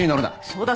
そうだ